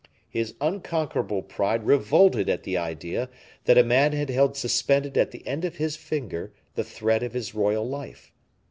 His unconquerable pride revolted at the idea that a man had held suspended at the end of his finger the thread of his royal life.